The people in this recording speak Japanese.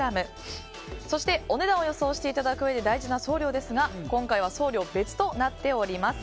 そして、お値段を予想していただくうえで大事な送料ですが今回は送料別となっております。